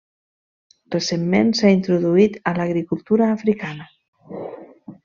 Recentment s'ha introduït a l'agricultura africana.